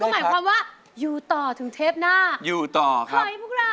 ได้พักก็หมายความว่าอยู่ต่อถึงเทปหน้าขอให้พวกเราอยู่ต่อครับ